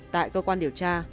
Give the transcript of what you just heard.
tại cơ quan điều tra